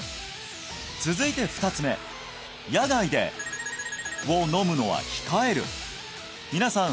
続いて２つ目野外で○○を飲むのは控える皆さん